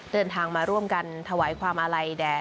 เดินทางมาร่วมกันถวายความอาลัยแด่